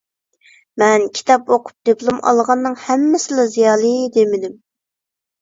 مەن كىتاب ئوقۇپ دىپلوم ئالغاننىڭ ھەممىسىلا زىيالىي دېمىدىم.